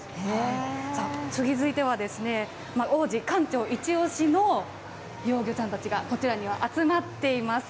さあ、続いては、王子、館長、一押しの幼魚ちゃんたちが、こちらには集まっています。